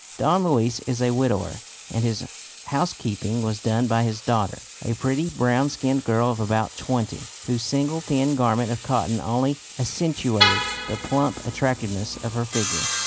Don Luis is a widower and his housekeeping was done by his daughter, a pretty brown skinned girl of about twenty, whose single thin garment of cotton only accentuated the plump attractiveness of her figure.